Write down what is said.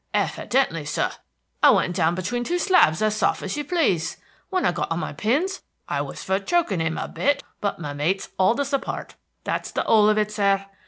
"Hevidently, sir. I went down between two slabs as soft as you please. When I got on my pins, I was for choking him a bit, but my mates hauled us apart. That's the 'ole of it, sir.